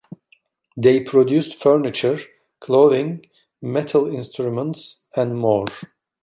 They produced furniture, clothing, metal instruments and more.